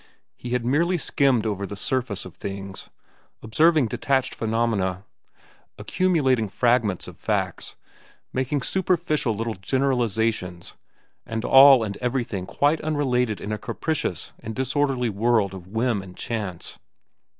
He had merely skimmed over the surface of things, observing detached phenomena, accumulating fragments of facts, making superficial little generalizations—and all and everything quite unrelated in a capricious and disorderly world of whim and chance.